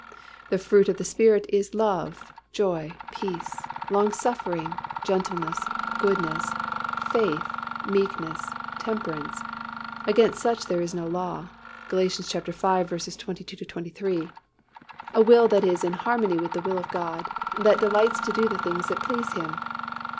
("The fruit of the Spirit is love, joy, peace, long suffering, gentleness, goodness, faith, meekness, temperance: against such there is no law." Gal. v. 22, 23); a will that is in harmony with the will of God, that delights to do the things that please Him.